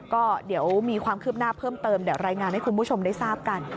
ก็เดี๋ยวมีความคืบหน้าเพิ่มเติมเดี๋ยวรายงานให้คุณผู้ชมได้ทราบกัน